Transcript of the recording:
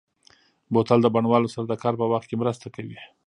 بوتل د بڼوالو سره د کار په وخت کې مرسته کوي.